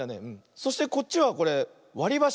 そしてこっちはこれわりばし。